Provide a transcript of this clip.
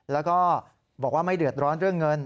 แล้วก็บอกว่าไม่เดือดร้อนเรื่องเงิน